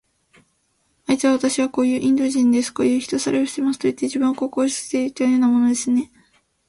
あいつは、わたしはこういうインド人です。こういう人さらいをしますといって、自分を広告していたようなものですね。